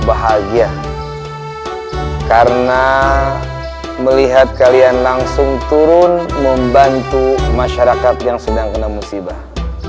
bahagia karena melihat kalian langsung turun membantu masyarakat yang sedang kena musibah